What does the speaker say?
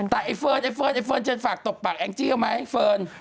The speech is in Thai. แต่ไอ้เฟิร์นเจนฝากตกปากแองจิก็ไหมไอ้เฟิร์น